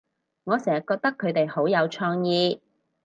我成日覺得佢哋好有創意